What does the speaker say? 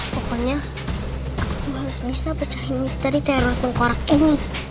pokoknya aku harus bisa pecahin misteri teror tang kurak ini